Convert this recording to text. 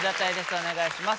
お願いします。